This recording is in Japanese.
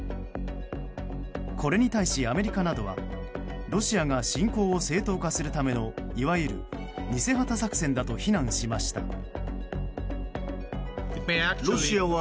これに対しアメリカなどはロシアが侵攻を正当化するためのいわゆる偽旗作戦だと非難しました。